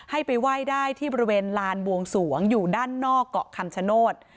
ให้ไปไหว้ได้ที่บริเวณลานบวงสวงอยู่ด้านนอกเกาะคำชโนธ